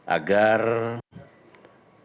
agar saya bisa berbicara dengan tujuan yang baik